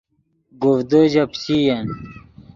گوڤدے ژے پیچئین